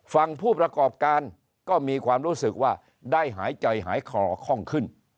ผู้ประกอบการก็มีความรู้สึกว่าได้หายใจหายคอค่องขึ้น